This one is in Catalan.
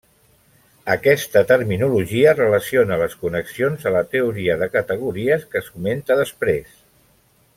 Aquesta terminologia relaciona les connexions a la teoria de categories que es comenta després.